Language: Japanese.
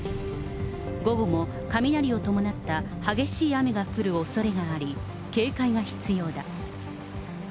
午後も雷を伴った激しい雨が降るおそれがあり、警戒が必要だ。